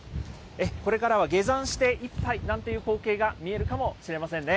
これからは下山して一杯なんていう光景も見えるかもしれませんね。